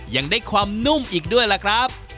ยังได้ความนุ่มอีกด้วยล่ะครับ